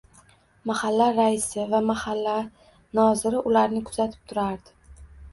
Mahalla raisi va mahalla noziri ularni kuzatib turardi.